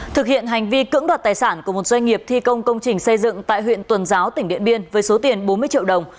thực hiện hành vi cưỡng đoạt tài sản của một doanh nghiệp thi công công trình xây dựng tại huyện tuần giáo tỉnh điện biên với số tiền bốn mươi triệu đồng